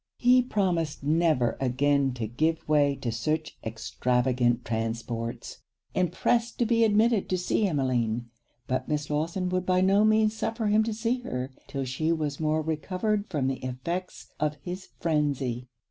He promised never again to give way to such extravagant transports, and pressed to be admitted to see Emmeline; but Miss Lawson would by no means suffer him to see her 'till she was more recovered from the effects of his frenzy.